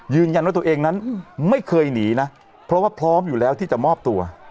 ยืนยันว่าตัวเองนั้นไม่เคยหนีนะเพราะว่าพร้อมอยู่แล้วที่จะมอบตัว